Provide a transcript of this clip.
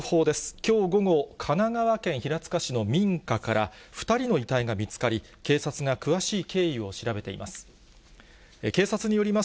きょう午後、神奈川県平塚市の民家から、２人の遺体が見つかり、警察が詳しい経緯を調べています。